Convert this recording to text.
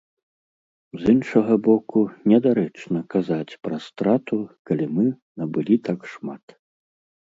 З іншага боку, недарэчна казаць пра страту, калі мы набылі так шмат.